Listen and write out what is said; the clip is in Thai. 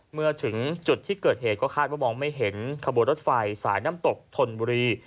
เมื่อถึงจุดที่เกิดเหตุก็คาดว่ามองไม่เห็นขบวนรถไฟสายน้ำตกธนบุรี